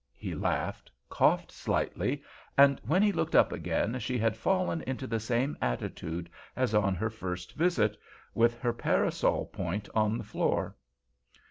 He laughed, coughed slightly, and when he looked up again she had fallen into the same attitude as on her first visit, with her parasol point on the floor.